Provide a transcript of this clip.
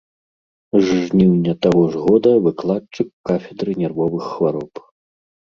З жніўня таго ж года выкладчык кафедры нервовых хвароб.